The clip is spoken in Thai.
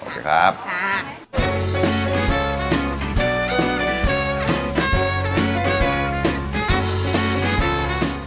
ได้ค่ะโอเคครับค่ะ